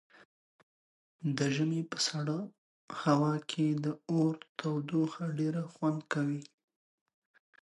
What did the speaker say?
د ژمي په سړه هوا کې د اور تودوخه ډېره خوند ورکوي.